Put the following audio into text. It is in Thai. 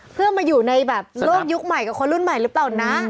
เพื่อมาอยู่ในแบบโลกยุคใหม่กับคนรุ่นใหม่หรือเปล่านะ